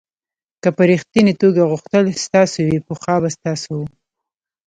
که په ریښتني توګه غوښتل ستاسو وي پخوا به ستاسو و.